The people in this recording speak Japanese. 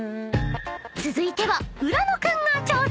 ［続いては浦野君が挑戦］